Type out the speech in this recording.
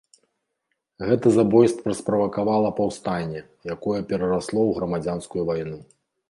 Гэта забойства справакавала паўстанне, якое перарасло ў грамадзянскую вайну.